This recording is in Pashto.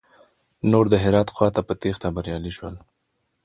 نور د هرات خواته په تېښته بريالي شول.